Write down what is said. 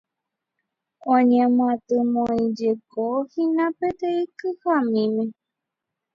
Oñemyatymoijekohína peteĩ kyhamíme.